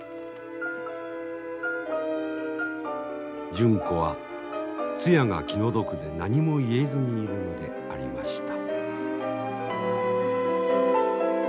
純子はつやが気の毒で何も言えずにいるのでありました。